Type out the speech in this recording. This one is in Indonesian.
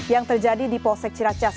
yang terjadi di polsek ciracas